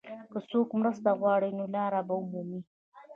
که څوک مرسته وغواړي، نو لار به ومومي.